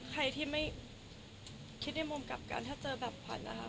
ใครที่ไม่คิดในมุมกลับกันถ้าเจอแบบขวัญนะคะ